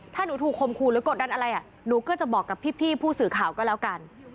ถ้าหนูถูกคมครูหรือกดดันอะไรหนูก็จะบอกกับพี่ผู้สื่อข่าวก็แล้วกัน